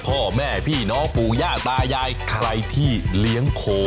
พ่อแม่พี่น้องปู่ย่าตายายใครที่เลี้ยงโข